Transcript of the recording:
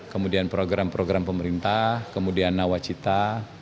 kemudian program program pemerintah kemudian nawacita